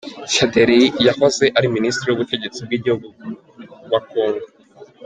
Shadary yahoze ari Minisitiri w’Ubutegetsi bw’Igihugu wa Congo.